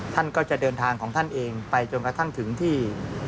ท่านก็จะเดินทางของท่านเองไปจนกระทั่งถึงที่